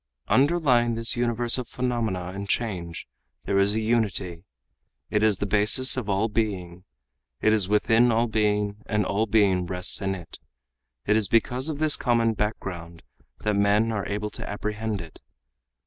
"Underlying this universe of phenomena and change there is a unity. It is the basis of all being. It is within all being and all being rests in it. It is because of this common background that men are able to apprehend it.